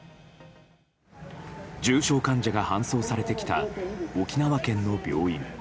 重症患者が搬送されてきた沖縄県の病院。